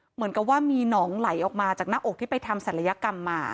เหมือนกับว่ามีหนองไหลออกมาจากหน้าอกที่ไปทำศัลยกรรมมา